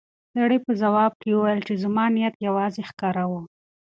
سړي په ځواب کې وویل چې زما نیت یوازې ښکار و.